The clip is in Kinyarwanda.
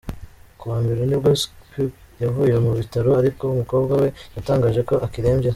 Ku wa Mbere nibwo Skripal yavuye mu bitaro ariko umukobwa we yatangaje ko akirembye.